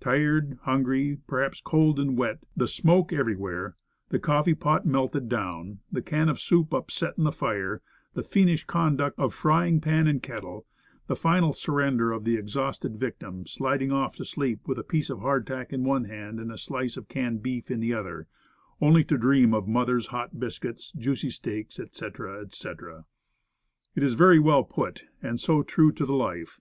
Tired, hungry, perhaps cold and wet, the smoke everywhere, the coffee pot melted down, the can of soup upset in the fire, the fiendish conduct of frying pan and kettle, the final surrender of the exhausted victim, sliding off to sleep with a piece of hardtack in one hand and a slice of canned beef in the other, only to dream of mother's hot biscuits, juicy steaks, etc., etc." It is very well put, and so true to the life.